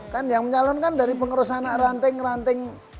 kan yang dicalonkan dari pengurusan anak ranting ranting